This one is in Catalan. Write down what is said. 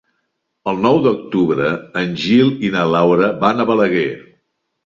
El nou d'octubre en Gil i na Laura van a Balaguer.